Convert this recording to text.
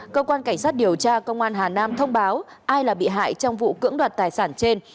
cơ quan cảnh sát điều tra công an hà nam thông báo ai là bị hại trong vụ cưỡng đoạt tài sản trên